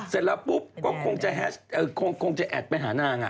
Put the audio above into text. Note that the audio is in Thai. อ๋อจ้ะเสร็จแล้วปุ๊บก็คงจะแอดไปหานาง